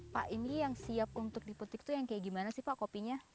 saya di camouflage sami chapman sampai crispy tapioca potnya